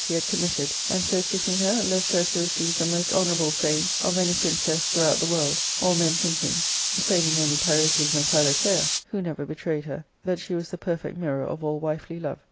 m he had committed, and so kissing her, left her to receive the most honourable fame of any princess throughout the world, all men thinking, saving only Pyrocles and Philoclea, who never betrayed her, that she was the perfect mirror of all wifely love.